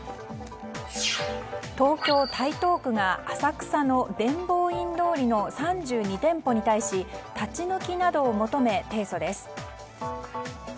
東京・台東区が浅草の伝法院通りの３２店舗に対し立ち退きなどを求め提訴です。